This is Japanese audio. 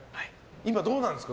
今どうなんですか？